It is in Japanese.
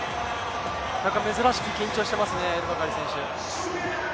珍しく緊張していますね、エルバカリ選手。